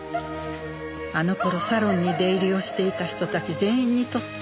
あの頃サロンに出入りをしていた人たち全員にとって。